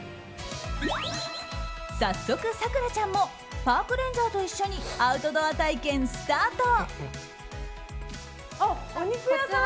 早速、咲楽ちゃんもパークレンジャーと一緒にアウトドア体験スタート。